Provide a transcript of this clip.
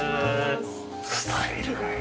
スタイルがいい。